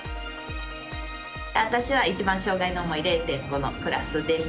私は一番、障がいの重い０．５のクラスです。